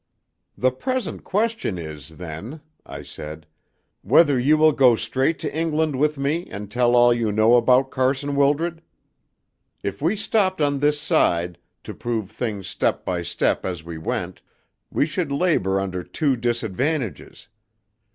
"The present question is, then," I said, "whether you will go straight to England with me and tell all you know about Carson Wildred? If we stopped on this side, to prove things step by step as we went, we should labour under two disadvantages.